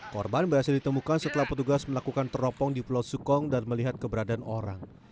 korban berhasil ditemukan setelah petugas melakukan teropong di pulau sukong dan melihat keberadaan orang